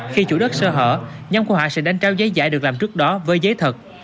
khi chủ đất sơ hở nhóm của họ sẽ đánh trao giấy giải được làm trước đó với giấy thật